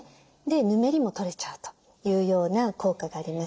でヌメリも取れちゃうというような効果があります。